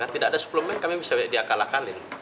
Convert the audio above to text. tidak ada suplemen kami bisa diakal akalin